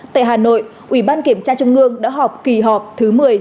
tại hà nội ủy ban kiểm tra trung ương đã họp kỳ họp thứ một mươi